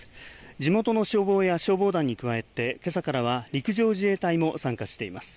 地元の消防や消防団に加えて、けさからは陸上自衛隊も参加しています。